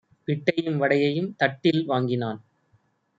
பிட்டையும் வடையையும் தட்டில் வாங்கினான்